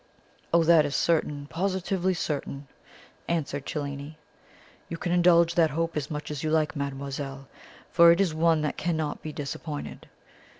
"Oh, that is certain, positively certain," answered Cellini; "you can indulge that hope as much as you like, mademoiselle, for it is one that cannot be disappointed.